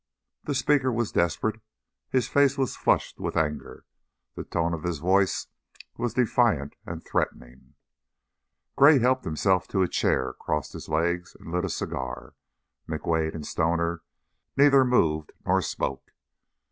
The speaker was desperate; his face was flushed with anger, the tone of his voice was defiant and threatening. Gray helped himself to a chair, crossed his legs, and lit a cigar. McWade and Stoner neither moved nor spoke.